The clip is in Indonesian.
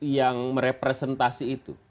yang merepresentasi itu